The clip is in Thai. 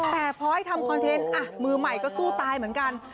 แต่พอให้ทำคอนเทนต์มือใหม่ก็สู้ตายเหมือนกัน